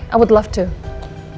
aku akan suka